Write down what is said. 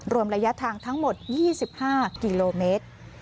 รวมระยะทางทั้งหมด๒๕กิโลเมตร